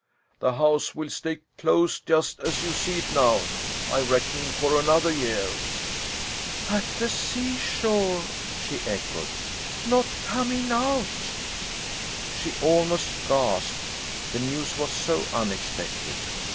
The house will stay closed, just as you see it now, I reckon, for another year." "At the seashore!" she echoed. "Not coming out!" She almost gasped, the news was so unexpected.